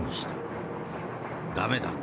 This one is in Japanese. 『駄目だ。